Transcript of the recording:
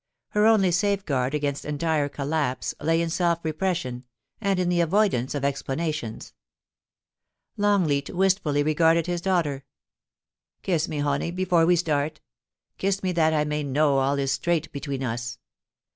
Her only safeguard against entire collapse lay in self repression, and in the avoidance of explanations. Longleat wistfully regarded his daughter. * Kiss me, Honie, before we start Kiss me that I may know all is straight between us.